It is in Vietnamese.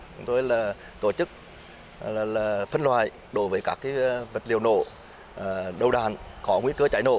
chúng tôi là tổ chức phân loại đối với các vật liệu nổ đầu đàn có nguy cơ cháy nổ